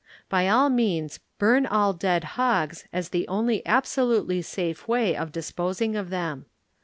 By all means burn all dead hogs as the only absolutely safe way of disposing of them.